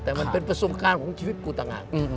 แต่มันเป็นประสบการณ์ของชีวิตกูตัง